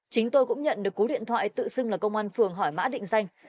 chính tôi cũng nhận được cú điện thoại tự xưng là công an phường hỏi mã định danh